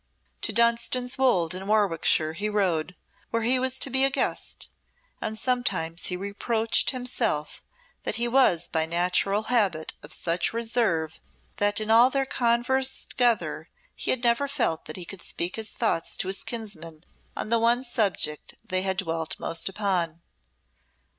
To Dunstan's Wolde in Warwickshire he rode, where he was to be a guest, and sometimes he reproached himself that he was by natural habit of such reserve that in all their converse together he had never felt that he could speak his thoughts to his kinsman on the one subject they had dwelt most upon.